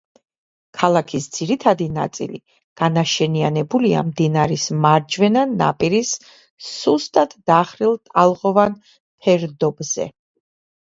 ქალაქის ძირითადი ნაწილი განაშენიანებულია მდინარის მარჯვენა ნაპირის სუსტად დახრილ ტალღოვან ფერდობზე.